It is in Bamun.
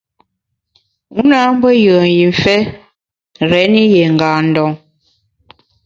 U nâ mbe yùen jimfe réni yié ngâ ndon.